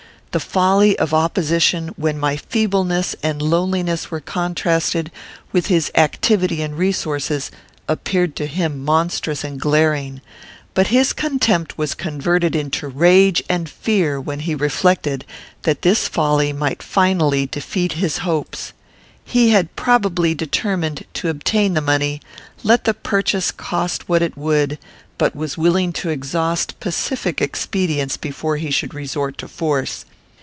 The folly of opposition, when my feebleness and loneliness were contrasted with his activity and resources, appeared to him monstrous and glaring; but his contempt was converted into rage and fear when he reflected that this folly might finally defeat his hopes. He had probably determined to obtain the money, let the purchase cost what it would, but was willing to exhaust pacific expedients before he should resort to force.